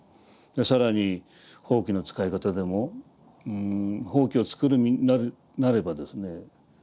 更にほうきの使い方でもほうきを作る身になればですね